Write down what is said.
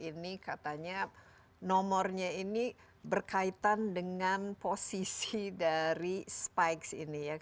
b satu ratus tujuh belas ini katanya nomornya ini berkaitan dengan posisi dari spikes ini ya